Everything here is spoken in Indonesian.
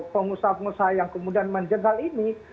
pengusaha pengusaha yang kemudian menjegal ini